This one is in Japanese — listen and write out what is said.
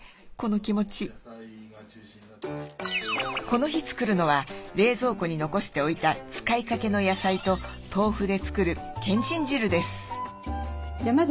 この日作るのは冷蔵庫に残しておいた使いかけの野菜と豆腐で作るけんちん汁です。